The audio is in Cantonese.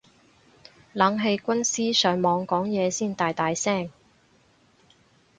冷氣軍師上網講嘢先大大聲